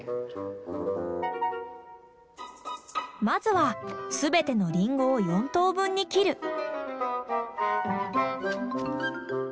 まずは全てのリンゴを４等分に切る。